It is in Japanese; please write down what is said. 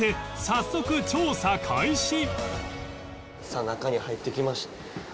さあ中に入ってきました。